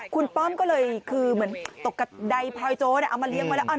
คุณป้อมก็เลยคือเหมือนตกกระดายพลอยโจ๊เอามาเลี้ยงไว้แล้ว